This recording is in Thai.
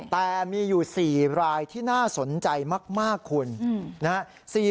แต่มีอยู่๔รายที่น่าสนใจมากคุณนะฮะ